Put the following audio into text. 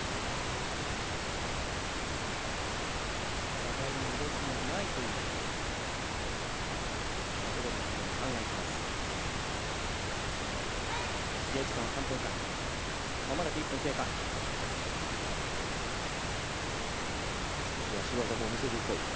互いに動きがないということで、カテゴリー２の違反が行きます。